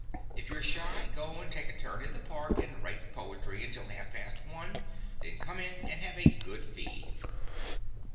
If you're shy, go and take a turn in the park and write poetry until half past one; and then come in and have a good feed.